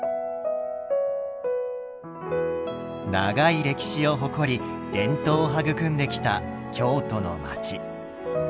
長い歴史を誇り伝統を育んできた京都の街。